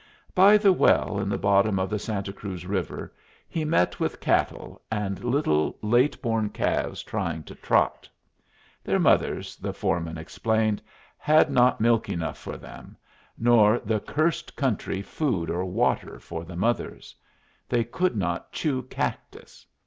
By the well in the bottom of the Santa Cruz River he met with cattle and little late born calves trying to trot. Their mothers, the foreman explained, had not milk enough for them, nor the cursed country food or water for the mothers. They could not chew cactus.